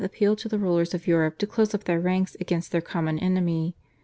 appealed to the rulers of Europe to close up their ranks against their common enemy.